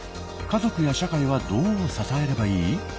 家族や社会はどう支えればいい？